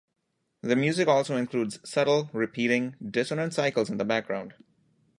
The music also includes subtle, repeating, dissonant cycles in the background.